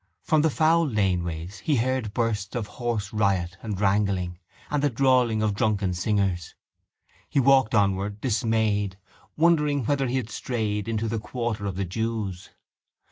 From the foul laneways he heard bursts of hoarse riot and wrangling and the drawling of drunken singers. He walked onward, undismayed, wondering whether he had strayed into the quarter of the jews.